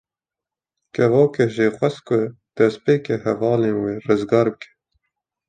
Kevokê jê xwest ku destpêkê hevalên wê rizgar bike.